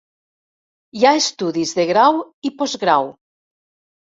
Hi ha estudis de grau i postgrau.